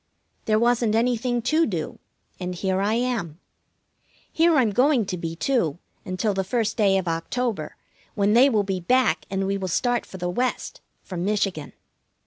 There wasn't anything to do, and here I am. Here I'm going to be, too, until the first day of October, when they will be back, and we will start for the West, for Michigan.